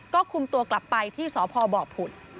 ก็คุมตัวกลับไปที่สพบผุด